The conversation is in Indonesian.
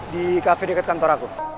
di cafe dekat kantor aku